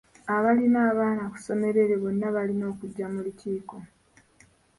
Abalina abaana ku ssomero eryo bonna balina okujja mu lukiiko.